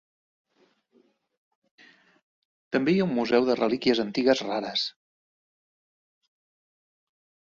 També hi ha un museu de relíquies antigues rares.